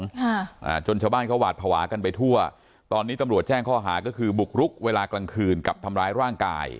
อ่าจนชาวบ้านเขาหวาดภาวะกันไปทั่วตอนนี้ตำรวจแจ้งข้อหาก็คือบุกรุกเวลากลางคืนกับทำร้ายร่างกาย